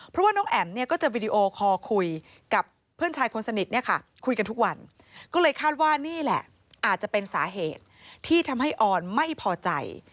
เพราะว่าน้องแอ๋มเนี่ยก็จะวิดีโอคอลคุยกับเพื่อนชายคนสนิทเนี่ยค่ะคุยกันทุกวันก็เลยคาดว่านี่แหละอาจจะเป็นสาเหตุที่ทำให้ออนไม่พอใจ